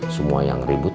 semua yang ribut